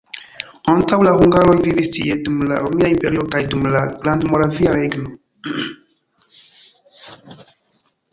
Antaŭ la hungaroj vivis tie dum la Romia Imperio kaj dum la Grandmoravia Regno.